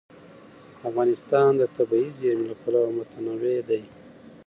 افغانستان د طبیعي زیرمې له پلوه متنوع دی.